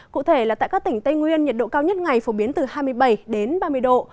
cụ thể là tại các tỉnh tây nguyên nhiệt độ cao nhất ngày phổ biến từ hai mươi bảy đến ba mươi độ